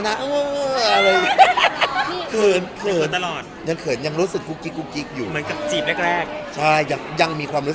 กันอยู่อ่าแล้วคนสัญญาณแล้วคือเขาจะมาอยู่ที่นี่หรือว่า